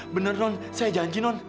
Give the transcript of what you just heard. bener non saya janji non